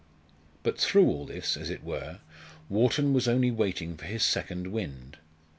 But through all this, as it were, Wharton was only waiting for his second wind.